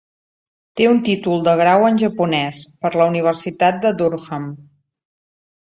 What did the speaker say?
Té un títol de Grau en japonès, per la Universitat de Durham.